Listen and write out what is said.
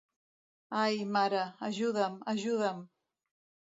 Ai, mare, ajuda'm, ajuda'm!